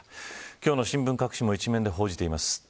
今日の新聞各紙も一面で報じています。